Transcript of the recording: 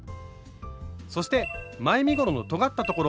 そして前身ごろのとがったところ。